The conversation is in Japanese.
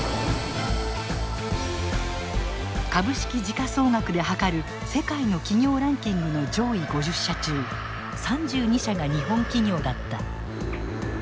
株式時価総額ではかる世界の企業ランキングの上位５０社中３２社が日本企業だった。